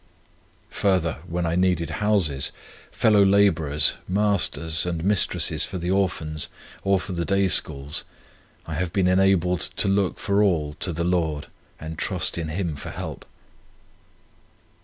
Further, when I needed houses, fellow labourers, masters and mistresses for the Orphans or for the Day Schools, I have been enabled to look for all to the Lord and trust in Him for help.